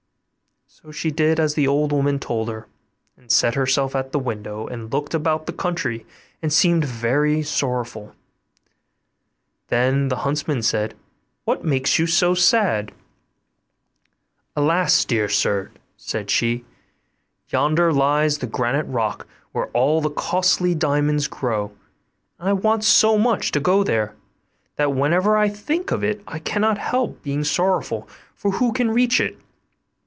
So she did as the old woman told her, and set herself at the window, and looked about the country and seemed very sorrowful; then the huntsman said, 'What makes you so sad?' 'Alas! dear sir,' said she, 'yonder lies the granite rock where all the costly diamonds grow, and I want so much to go there, that whenever I think of it I cannot help being sorrowful, for who can reach it?